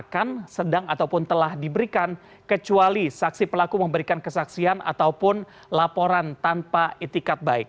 bahkan sedang ataupun telah diberikan kecuali saksi pelaku memberikan kesaksian ataupun laporan tanpa etikat baik